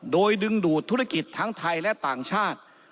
โดยดึงดูดธุรกิจทั้งไทยและต่างชาติ